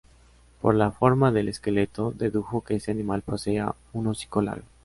Por la forma del esqueleto, dedujo que este animal poseía un hocico largo.